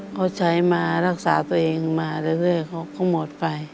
เขาใช้มารักษาตัวเองมาเรื่อยเขาหมดไป